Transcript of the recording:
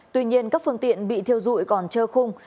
tuy nhiên các phương tiện bị thiêu dụi còn trơ khung